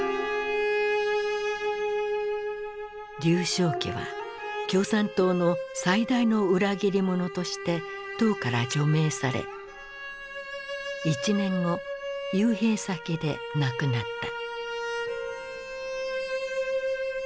劉少奇は共産党の最大の裏切り者として党から除名され１年後幽閉先で亡くなった。